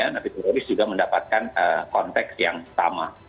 napi teroris juga mendapatkan konteks yang sama